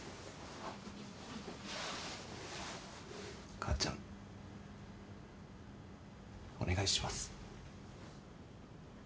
母ちゃんお願いします。